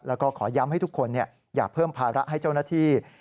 แล้วก็ขอย้ำให้ทุกคนอย่าเพิ่มภาระให้เจ้าหน้าที่